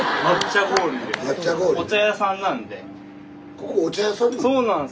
ここお茶屋さんなの？